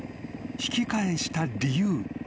［引き返した理由。